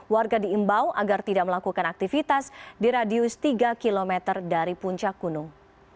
warga diimbau agar tidak melakukan aktivitas di radius tiga km dari puncak gunung